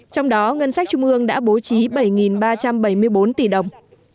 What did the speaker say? trong đó ngân sách trung ương đã bố trí bảy ba trăm bảy mươi bốn tỷ đồng